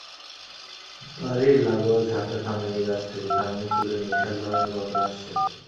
বাড়ির লাগোয়া ঝাঁকড়া কামিনী গাছ থেকে কামিনী ফুলের নেশা-ধরান গন্ধ আসছে।